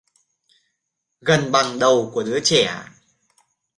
Gần bằng đầu của đứa trẻ